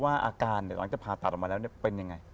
อาการหลังจากผ่าตัดออกมาแล้วเป็นยังไง